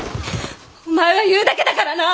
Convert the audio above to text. お前は言うだけだからな！